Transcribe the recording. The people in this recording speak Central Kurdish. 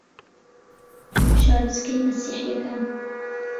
شارۆچکەی مەسیحییەکان